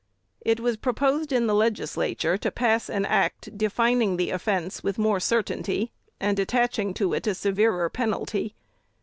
It was proposed in the Legislature to pass an act defining the offence with more certainty, and attaching to it a severer penalty.